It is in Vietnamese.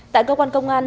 tại cơ quan công an